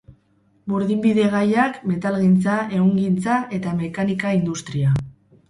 Burdinbide-gaiak, metalgintza, ehungintza eta mekanika-industria.